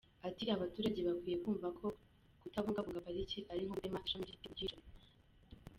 Ati “Abaturage bakwiye kumva ko kutabungabunga Pariki ari nko gutema ishami ry’igiti uryicariye.